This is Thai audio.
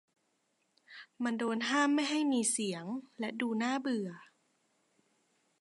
มันโดนห้ามไม่ให้มีเสียงและดูน่าเบื่อ